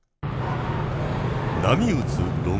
波打つ路面。